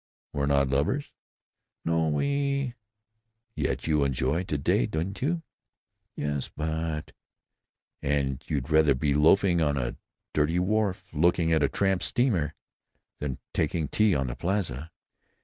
"We're not lovers?" "No, we——" "Yet you enjoy to day, don't you?" "Yes, but——" "And you'd rather be loafing on a dirty wharf, looking at a tramp steamer, than taking tea at the Plaza?"